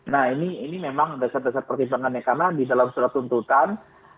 nah ini memang dasar dasar pertimbangannya karena di dalam surat tuntutan